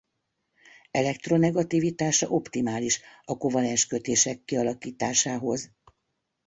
Elektronegativitása optimális a kovalens kötések kialakításához.